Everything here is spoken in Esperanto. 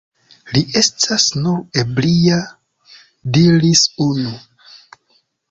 Li estas nur ebria, diris unu.